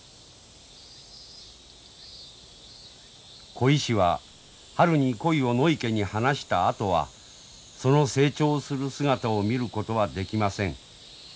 鯉師は春に鯉を野池に放したあとはその成長する姿を見ることはできません。